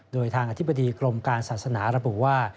โดยทางอธิบดีกรมการศาสนาระบุว่า